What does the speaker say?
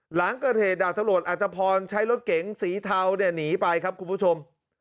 หลังเกิดเหตุดาบตำรวจอัตภพรใช้รถเก๋งสีเทาเนี่ยหนีไปครับคุณผู้ชม